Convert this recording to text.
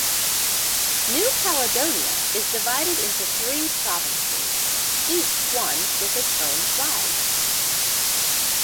New Caledonia is divided into three provinces, each one with its own flag.